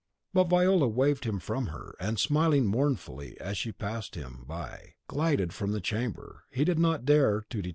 But Viola waved him from her, and, smiling mournfully as she passed him by, glided from the chamber; and he did not dare to detain her.